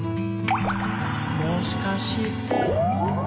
「もしかして」